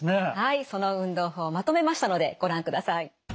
その運動法まとめましたのでご覧ください。